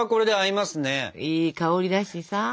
いい香りだしさ。